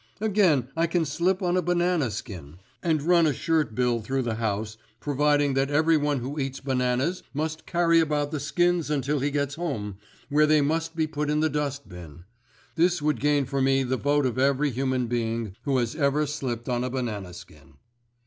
"Again, I can slip on a banana skin, and run a shirt Bill through the House providing that everyone who eats bananas must carry about the skins until he gets home, where they must be put in the dust bin. This would gain for me the vote of every human being who has ever slipped on a banana skin.